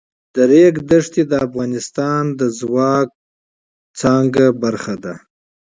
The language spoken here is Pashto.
د ریګ دښتې د افغانستان د انرژۍ سکتور برخه ده.